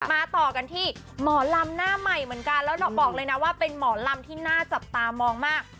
ต่อกันที่หมอลำหน้าใหม่เหมือนกันแล้วบอกเลยนะว่าเป็นหมอลำที่น่าจับตามองมาก